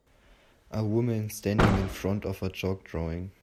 A woman standing in front of a chalk drawing